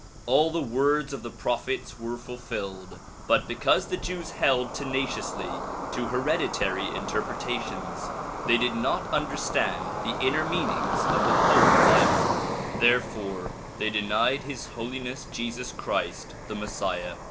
All the words of the prophets were fulfilled but because the Jews held tenaciously to hereditary interpreta tions, they did not understand the inner meanings of the holy bible; therefore they denied His Holiness Jesus Christ the Messiah.